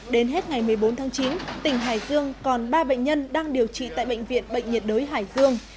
đến hết ngày một mươi bốn tháng chín tỉnh hải dương còn ba bệnh nhân đang điều trị tại bệnh viện bệnh nhiệt đới hải dương